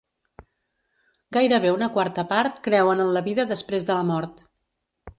Gairebé una quarta part creuen en la vida després de la mort.